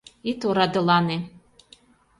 — Ит орадылане!